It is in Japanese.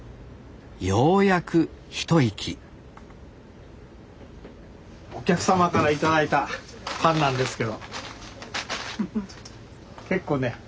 ようやく一息お客様から頂いたパンなんですけど結構ね